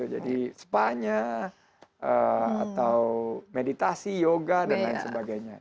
jadi spanya atau meditasi yoga dan lain sebagainya